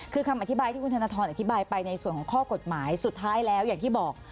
คือคำอธิบายที่คุณธนทรอธิบายไปในส่วนของข้อกฎหมายสุดท้ายแล้วอย่างที่บอก